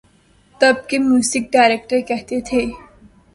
تب کے music director کہتے تھے۔